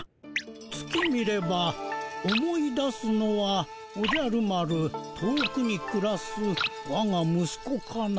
「月見れば思い出すのはおじゃる丸遠くにくらすわが息子かな」。